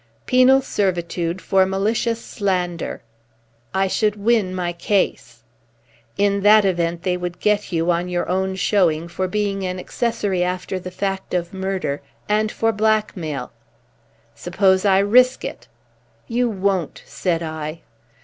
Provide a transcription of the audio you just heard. "Penal servitude for malicious slander." "I should win my case." "In that event they would get you, on your own showing, for being an accessory after the fact of murder, and for blackmail." "Suppose I risk it?" "You won't," said I.